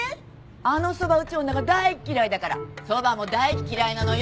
あのそば打ち女が大嫌いだからそばも大嫌いなのよ。